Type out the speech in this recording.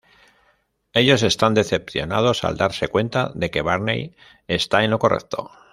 Ellos están decepcionados al darse cuenta de que Barney está en lo correcto.